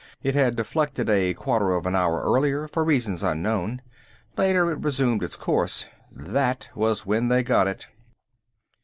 It had deflected a quarter of an hour earlier for reasons unknown. Later it resumed its course. That was when they got it."